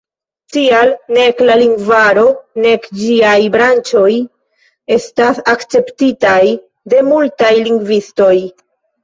Tial nek la lingvaro, nek ĝiaj branĉoj, estas akceptitaj de multaj lingvistoj.